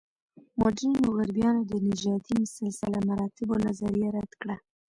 مډرنو غربیانو د نژادي سلسله مراتبو نظریه رد کړه.